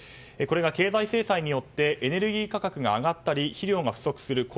これが経済制裁によってエネルギー価格が上がったり肥料が不足する。